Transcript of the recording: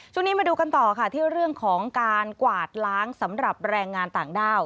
ช่วงนี้มาดูกันต่อค่ะที่เรื่องของการกวาดล้างสำหรับแรงงานต่างด้าว